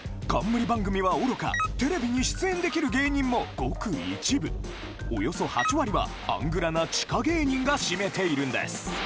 冠番組はおろかＴＶに出演できる芸人もごく一部およそ８割はアングラな地下芸人が占めているんです